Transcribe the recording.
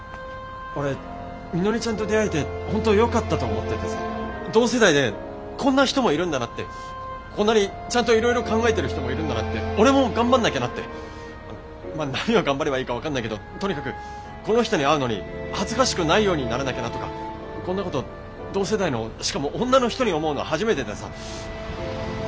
俺みのりちゃんと出会えて本当よかったと思っててさ同世代でこんな人もいるんだなってこんなにちゃんといろいろ考えてる人もいるんだなって俺も頑張んなきゃなってまあ何を頑張ればいいか分かんないけどとにかくこの人に会うのに恥ずかしくないようにならなきゃなとかこんなこと同世代のしかも女の人に思うの初めてでさ。